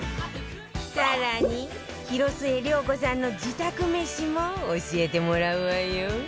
更に広末涼子さんの自宅飯も教えてもらうわよ